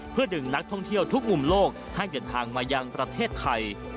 เพื่อดึงนักท่องเที่ยวทุกมุมโลกให้เดินทางมายังประเทศไทย